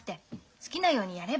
好きなようにやれば。